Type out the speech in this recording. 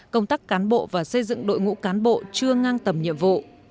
công tác cán bộ và xây dựng đội ngũ cán bộ chưa ngang tầm nhiệm vụ